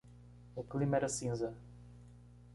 O clima era cinza.